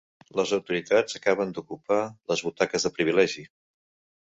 Les autoritats acaben d'ocupar les butaques de privilegi.